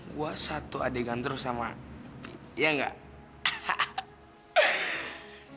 gue satu adegan terus sama pip iya gak